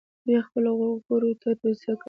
دوی خپلو غړو ته توصیه کوي.